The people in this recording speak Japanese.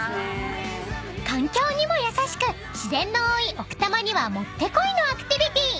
［環境にも優しく自然の多い奥多摩にはもってこいのアクティビティー］